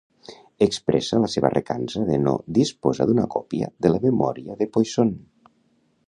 Expressa la seva recança de no disposar d'una còpia de la memòria de Poisson.